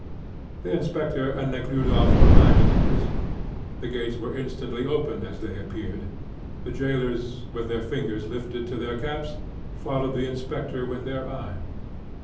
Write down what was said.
The inspector and Nekhludoff arrived at the prison. The gates were instantly opened as they appeared. The jailers, with their fingers lifted to their caps, followed the inspector with their eyes.